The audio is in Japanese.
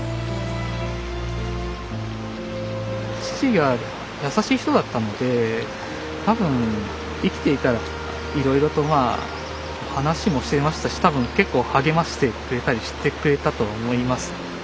父が優しい人だったので多分生きていたらいろいろとまあ話もしていましたし多分結構励ましてくれたりしてくれたと思います。